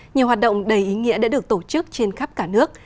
nhiều hoạt động đầy ý nghĩa đã được tổ chức trên khắp cả nước